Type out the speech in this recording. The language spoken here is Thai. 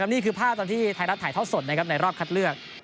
นี่คือภาพตอนที่ไทยรัฐถ่ายทอดสดนะครับในรอบคัดเลือก